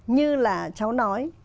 như là cháu nói